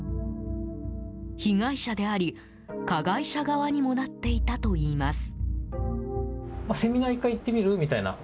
被害者であり、加害者側にもなっていたといいます。